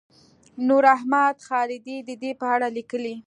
نوراحمد خالدي د دې په اړه لیکلي.